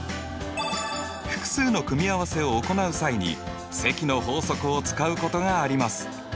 複数の組合せを行う際に積の法則を使うことがあります。